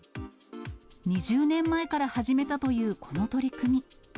２０年前から始めたというこの取り組み。